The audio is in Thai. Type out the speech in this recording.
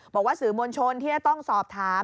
บอกว่าสื่อมวลชนที่จะต้องสอบถาม